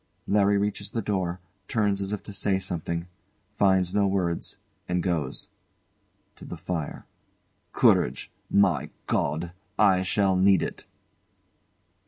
LARRY reaches the door, turns as if to say something finds no words, and goes. [To the fire] Courage! My God! I shall need it!